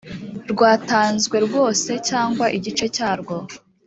rwatanzwe rwose cyangwa igice cyarwo